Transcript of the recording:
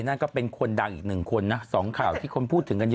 นั่นก็เป็นคนดังอีกหนึ่งคนนะ๒ข่าวที่คนพูดถึงกันอยู่